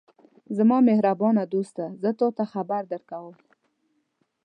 زما مهربانه دوسته! زه تاته خبر درکوم.